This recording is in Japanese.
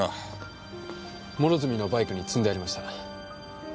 諸角のバイクに積んでありました。